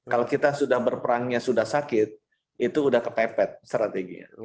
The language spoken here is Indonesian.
kalau kita sudah berperangnya sudah sakit itu sudah kepepet strateginya